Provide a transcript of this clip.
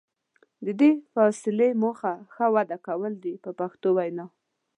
د دې فاصلې موخه ښه وده کول دي په پښتو وینا.